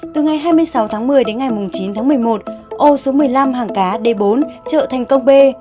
từ ngày hai mươi sáu tháng một mươi đến ngày chín tháng một mươi một ô số một mươi năm hàng cá d bốn chợ thành công b